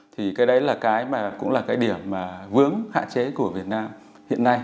thì cái đấy là cái mà cũng là cái điểm mà vướng hạn chế của việt nam hiện nay